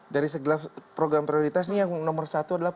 dari segala program prioritas nih yang nomor satu adalah